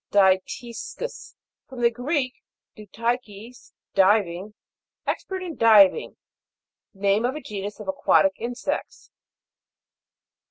DYTIS'CUS. From the Greek, dutikos, diving, expert in diving. Name of a genus of aquatic insects.